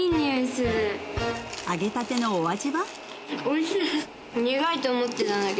揚げたてのお味は？